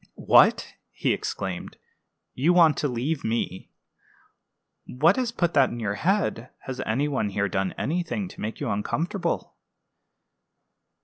"What!" he exclaimed; "you want to leave me! What has put that in your head? Has any one here done anything to make you uncomfortable?"